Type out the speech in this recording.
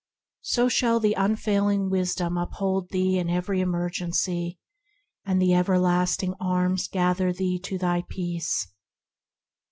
So shall the Unfailing Wisdom uphold thee in every emergency, and the Everlasting Arms gather thee to thy peace.